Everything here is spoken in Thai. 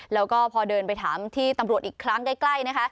แล้วก็พอเดินไปถามที่ตำรวจอีกครั้งใกล้นะคะ